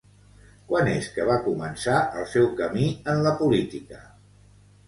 Quan és que va començar el seu camí en la política?